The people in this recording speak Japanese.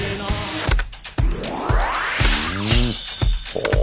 ほう。